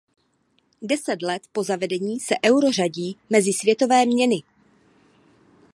Deset let po zavedení se euro řadí mezi světové měny.